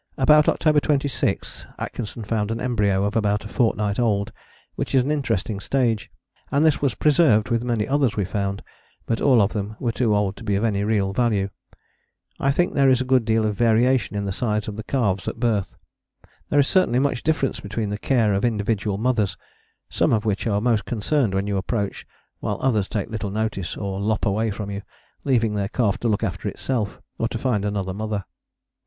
About October 26 Atkinson found an embryo of about a fortnight old, which is an interesting stage, and this was preserved with many others we found, but all of them were too old to be of any real value. I think there is a good deal of variation in the size of the calves at birth. There is certainly much difference between the care of individual mothers, some of which are most concerned when you approach, while others take little notice or lop away from you, leaving their calf to look after itself, or to find another mother.